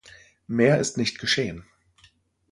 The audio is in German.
Mehr ist nicht geschehen.